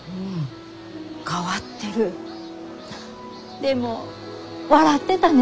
フッでも笑ってたね。